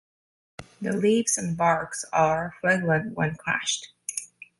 The leaves and bark are fragrant when crushed.